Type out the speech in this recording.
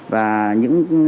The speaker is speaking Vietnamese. và những trường hợp